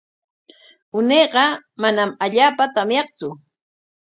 Unayqa manam allaapa tamyaqtsu.